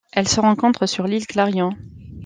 Elle se rencontre sur l'Île Clarión.